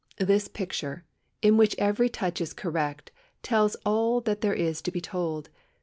This picture, in which every touch is correct, tells all that there is to be told.